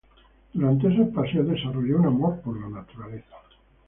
Durante esos paseos desarrolló un amor por la naturaleza.